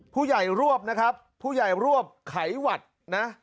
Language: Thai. ผู้ใหญ่รวบนะครับผู้ใหญ่รวบไขวัดนะ